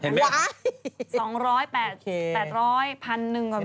เห็นไหม